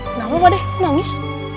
kenapa pak deh nangis